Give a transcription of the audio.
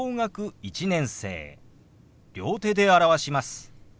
両手で表します。